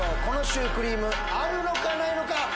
このシュークリームあるのか？